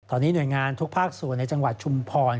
ตอนนี้หน่วยงานทุกภาคส่วนในจังหวัดชุมพร